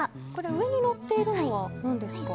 上にのっているのは何ですか？